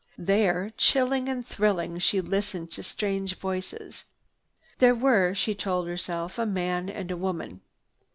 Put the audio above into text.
There, chilling and thrilling, she listened to strange voices. There were, she told herself, a man and a woman.